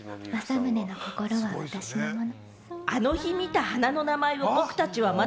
でも、正宗の心は私のもの。